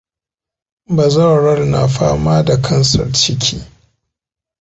Bazawarar na fama da kansar ciki.